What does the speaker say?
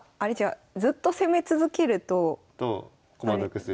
ずっと攻め続けると。と駒得する。